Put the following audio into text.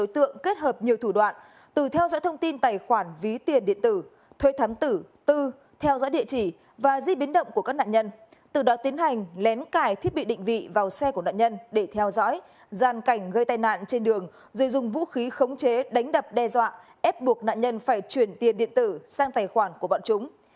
từ đó tiến hành lén cải thiết bị định vị vào xe của nạn nhân để theo dõi gian cảnh gây tai nạn trên đường rồi dùng vũ khí khống chế đánh đập đe dọa ép buộc nạn nhân phải chuyển tiền điện tử sang tài khoản của bọn chúng